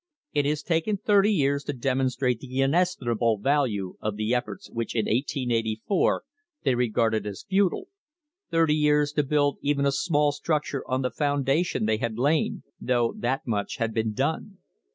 It has taken thirty years to demonstrate the inestimable value of the efforts which in 1884 they regarded as futile thirty years to build even a small structure on the foundation they had laid, though that much has been done.